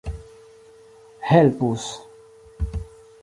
helpus